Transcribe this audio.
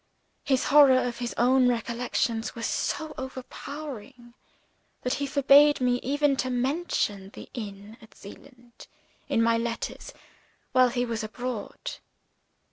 His horror of his own recollections was so overpowering that he forbade me even to mention the inn at Zeeland in my letters, while he was abroad.